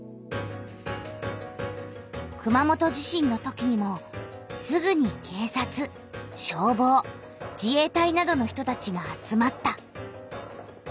熊本地震のときにもすぐに警察消防自衛隊などの人たちが集まった。